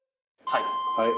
はい。